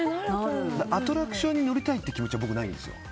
アトラクションに乗りたいという気持ちはないんですよ。